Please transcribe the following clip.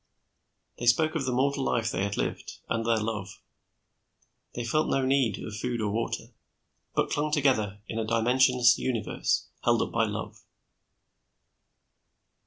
They spoke of the mortal life they had lived, and their love. They felt no need of food or water, but clung together in a dimensionless universe, held up by love.